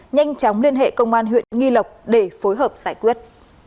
nhanh chóng liên hệ công an huyện nghi lộc để phối hợp giải quyết